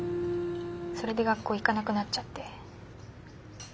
それで学校行かなくなっちゃって。